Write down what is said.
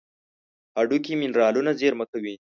هډوکي منرالونه زیرمه کوي.